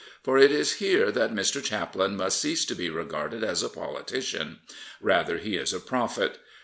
For it is here that Mr. Chaplin must cease to be regarded as a politician. Rather he is a prophet.